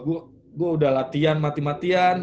gue udah latihan mati matian